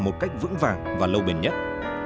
một cách vững vàng và lâu bền nhất